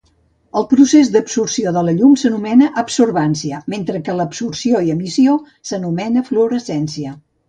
El procés d'absorció de la llum s'anomena absorbància, mentre que l'absorció i emissió s'anomena fluorescència.